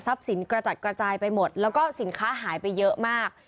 สินกระจัดกระจายไปหมดแล้วก็สินค้าหายไปเยอะมาก